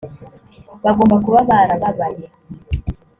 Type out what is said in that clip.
bagomba kuba barababaye .